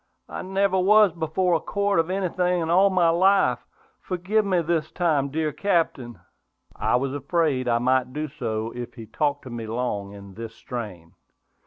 I never was before a court for anything in all my life! Forgive me this time, dear Captain!" I was afraid I might do so if he talked to me long in this strain.